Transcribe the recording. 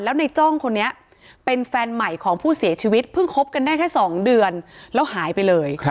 แล้วในจ้องคนนี้เป็นแฟนใหม่ของผู้เสียชีวิตเพิ่งคบกันได้แค่๒เดือนแล้วหายไปเลย